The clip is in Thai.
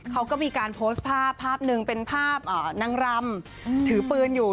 เขาก็มีการโพสต์ภาพภาพหนึ่งเป็นภาพนางรำถือปืนอยู่